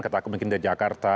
katakan mungkin dari jakarta